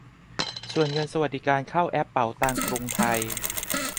ส่วนเงินสวัสดิการเข้าแอปเป๋าตังค์กรุงไทย